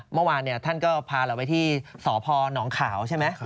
เมื่อวานท่านก็พาเราไปที่สพนขาวใช่ไหม